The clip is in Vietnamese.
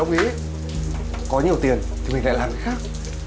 không biết có nhiều tiền thì mình lại làm cái khác